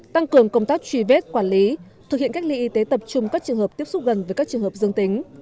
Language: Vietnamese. tăng cường công tác truy vết quản lý thực hiện cách ly y tế tập trung các trường hợp tiếp xúc gần với các trường hợp dương tính